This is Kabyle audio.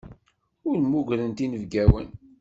Ur mmugrent inebgawen.